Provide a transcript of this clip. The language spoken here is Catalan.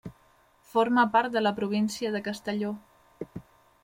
Forma part de la província de Castelló.